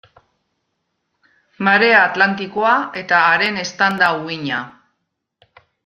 Marea Atlantikoa eta haren eztanda-uhina.